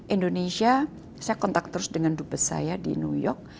indonesia saya kontak terus dengan dupe saya di new york